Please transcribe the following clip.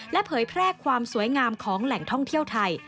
เผยแพร่ความสวยงามของแหล่งท่องเที่ยวไทย